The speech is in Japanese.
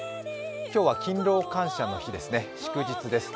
今日は勤労感謝の日ですね祝日です。